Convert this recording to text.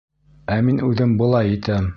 Ә мин үҙем былай итәм.